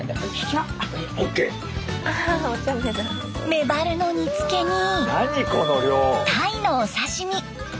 メバルの煮付けにタイのお刺身。